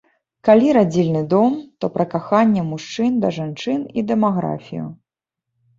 Калі радзільны дом, то пра каханне мужчын да жанчын і дэмаграфію.